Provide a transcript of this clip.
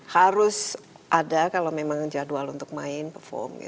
harus ada kalau memang jadwal untuk main perform